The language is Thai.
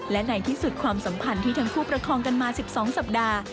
และในที่สุดความสัมพันธ์ที่ทั้งคู่ประคองกันมา๑๒สัปดาห์